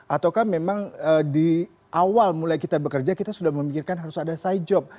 ataukah memang di awal mulai kita bekerja kita sudah memikirkan harus ada side job